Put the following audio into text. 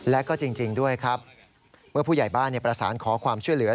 และก็จริงด้วยครับเมื่อผู้ใหญ่บ้านประสานขอความช่วยเหลือ